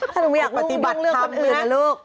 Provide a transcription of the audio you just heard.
ถ้าหนูไม่อยากรู้ยุ่งเรื่องคนอื่นนะลูก